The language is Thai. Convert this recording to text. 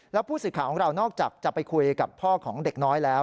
แล้วผู้สื่อข่าวของเรานอกจากจะไปคุยกับพ่อของเด็กน้อยแล้ว